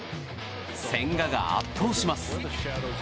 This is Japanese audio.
千賀が圧倒します。